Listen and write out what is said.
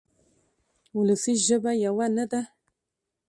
وولسي ژبه یوه نه ده.